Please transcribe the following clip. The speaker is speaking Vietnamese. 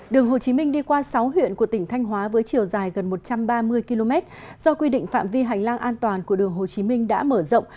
đường hồ chí minh đi qua sáu huyện của tỉnh thanh hóa với chiều dài gần một trăm ba mươi km do quy định phạm vi hành lang an toàn của đường hồ chí minh đã mở rộng